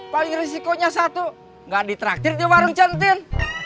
paling risikonya satu nggak ditraktir di warung centin